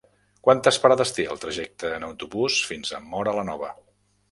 Quantes parades té el trajecte en autobús fins a Móra la Nova?